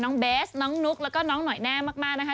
เบสน้องนุ๊กแล้วก็น้องหน่อยแน่มากนะคะ